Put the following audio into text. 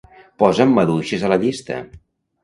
Posa'm maduixes a la llista.